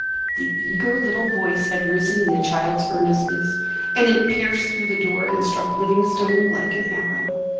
The eager little voice had risen in the child's earnestness and it pierced through the door and struck Livingstone like an arrow.